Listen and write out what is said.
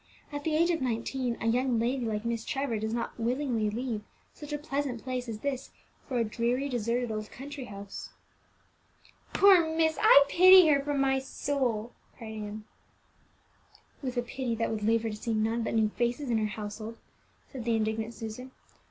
At the age of nineteen, a young lady like Miss Trevor does not willingly leave such a pleasant place as this for a dreary, deserted old country house." "Poor miss! I pity her from my soul!" cried Ann. "With a pity that would leave her to see none but new faces in her household!" said the indignant Susan.